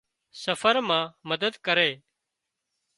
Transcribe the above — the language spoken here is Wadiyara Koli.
سفر مان مدد ڪري۔